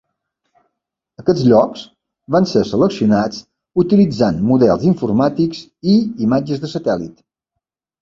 Aquests llocs van ser seleccionats utilitzant models informàtics i imatges de satèl·lit.